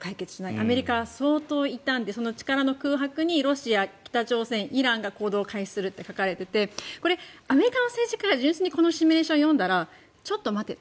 アメリカは相当傷んで力の空白にロシア、北朝鮮、イランが行動を開始するって書かれていてこれ、アメリカの政治家が純粋にこのシミュレーションを読んだらちょっと待てと。